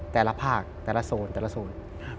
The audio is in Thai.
แต่ละภาคแต่ละโซนแต่ละโซน